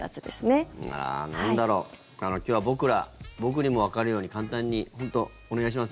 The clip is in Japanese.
なんだろう？今日は僕ら、僕にもわかるように簡単に、本当お願いします。